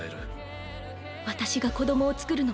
私が子供を作るのはどう？